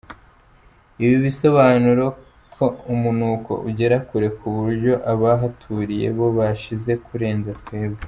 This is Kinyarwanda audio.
Ibi bisobanura ko umunuko ugera kure ku buryo abahaturiye bo bashize kurenza twebwe.